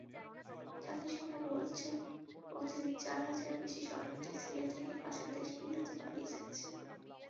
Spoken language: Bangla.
জাতিসংঘ বলছে, প্রতিদিন চার হাজারের বেশি শরণার্থী সিরিয়া থেকে পাশের দেশগুলোতে পালিয়ে যাচ্ছে।